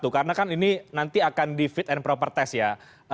karena kan ini nanti akan di fit and proper test ya